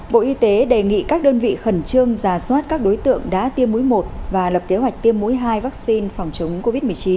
bộ y tế đề nghị các đơn vị khẩn trương giả soát các đối tượng đã tiêm mũi một và lập kế hoạch tiêm mũi hai vaccine phòng chống covid một mươi chín